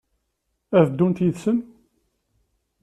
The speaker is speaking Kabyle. Ad ddunt yid-sen?